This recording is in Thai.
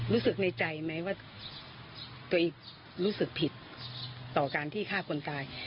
รู้สึกในใจไหมว่าตัวเองรู้สึกผิดต่อการที่ฆ่าคนตาย